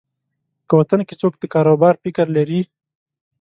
که وطن کې څوک د کاروبار فکر لري.